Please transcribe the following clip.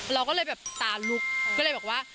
เราก็เลยแบบตาลุกก็เลยบอกว่า